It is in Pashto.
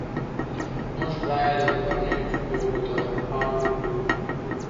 موږ باید د کورنۍ ټولو غړو ته پام وکړو